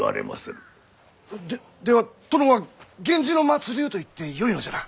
ででは殿は源氏の末流と言ってよいのじゃな？